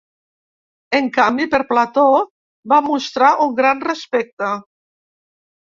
En canvi per Plató va mostrar un gran respecte.